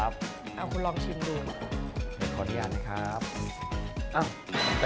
เพื่อสุขภาพ